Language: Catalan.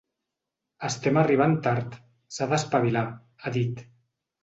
“Estem arribant tard, s’ha d’espavilar”, ha dit.